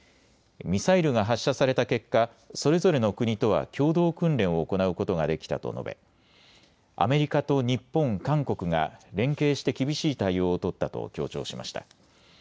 ミサイルが発射された結果、それぞれの国とは共同訓練を行うことができたと述べアメリカと日本、韓国が連携して厳しい対応を取ったと強調しました。